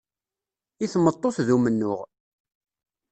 I tmeṭṭut d umennuɣ.